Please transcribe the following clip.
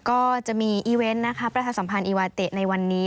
ก็จะมีอีเวนต์นะคะประชาสัมพันธ์อีวาเตะในวันนี้